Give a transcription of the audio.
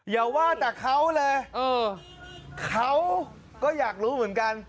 อย่าว่าแต่เขาเลยเออเขาก็อยากรู้เหมือนกัน